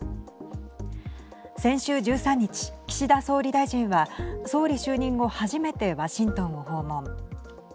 先週１３日岸田総理大臣は総理就任後初めてワシントンを訪問。